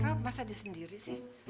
rob masa dia sendiri sih